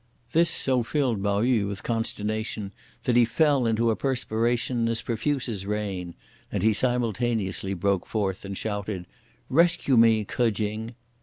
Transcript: This so filled Pao yü with consternation that he fell into a perspiration as profuse as rain, and he simultaneously broke forth and shouted, "Rescue me, K'o Ching!"